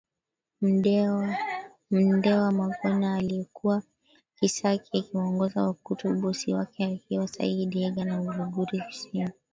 Mndewa Magona aliyekuwa Kisaki akiwaongoza Wakutu bosi wake akiwa Sayyid Hega wa Uluguru Kusini